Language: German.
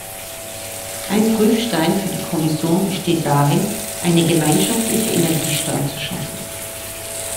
Ein Prüfstein für die Kommission besteht darin, eine gemeinschaftliche Energiesteuer zu schaffen.